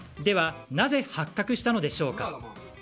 では、なぜ発覚したのでしょうか。